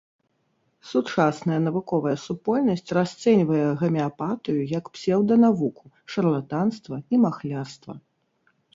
Сучасная навуковая супольнасць расцэньвае гамеапатыю як псеўданавуку, шарлатанства і махлярства.